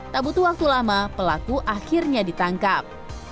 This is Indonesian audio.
tak butuh waktu lama pelaku akhirnya ditangkap